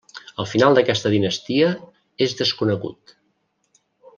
El final d'aquesta dinastia és desconegut.